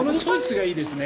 いいですね。